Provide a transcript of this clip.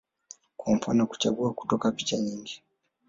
kwa mfano kuchagua kutoka picha nyingi